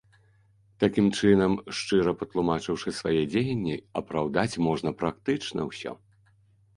Такім чынам, шчыра патлумачыўшы свае дзеянні, апраўдаць можна практычна ўсё.